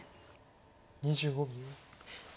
２５秒。